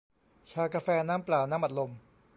ชากาแฟ น้ำเปล่า น้ำอัดลม